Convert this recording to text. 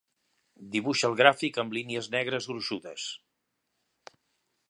Dibuixa el gràfic amb línies negres gruixudes.